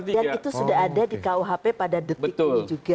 dan itu sudah ada di kuhp pada detik ini juga